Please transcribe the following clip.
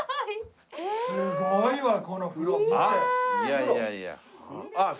すごいね。